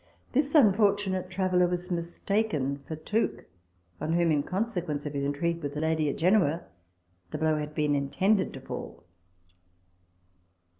This unfortunate traveller was mistaken for Tooke, on whom, hi consequence of his intrigue with the lady at Genoa, the blow had been intended to fall.